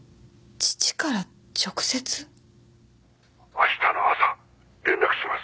☎あしたの朝連絡します。